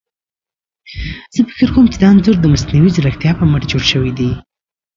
زه فکر کوم چي دا انځور ده مصنوعي ځيرکتيا په مټ جوړ شوي دي.